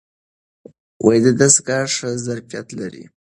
دستګاه ښه ظرفیت لري.